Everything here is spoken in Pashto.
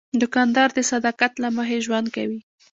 دوکاندار د صداقت له مخې ژوند کوي.